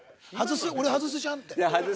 俺外すじゃんって。